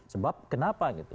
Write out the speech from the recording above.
sebab kenapa gitu